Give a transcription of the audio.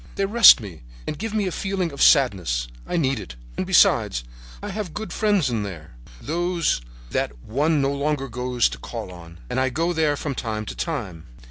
They rest me and give me a feeling of sadness; I need it. And, besides, I have good friends in there, those that one no longer goes to call on, and I go there from time to time.